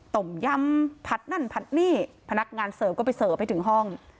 ต้มยำผัดนั่นผัดนี่พนักงานเสิร์ฟก็ไปเสิร์ฟให้ถึงห้อง